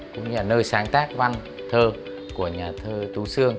cũng như là nơi sáng tác văn thơ của nhà sơ tế sương